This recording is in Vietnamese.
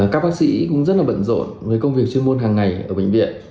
các bác sĩ cũng rất là bận rộn với công việc chuyên môn hàng ngày ở bệnh viện